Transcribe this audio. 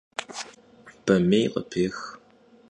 Bamêy khıpêx.